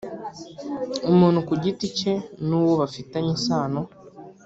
Umuntu ku giti cye n uwo bafitanye isano